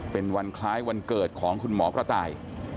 เป็นวันคล้ายวันเกิดของคุณหมอกระต่าย